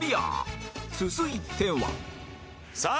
続いてはさあ